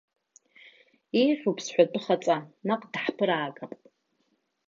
Еиӷьуп, сҳәатәы хаҵа, наҟ даҳԥыраагап.